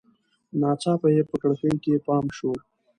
ناڅاپه یې په کړکۍ کې پام شو.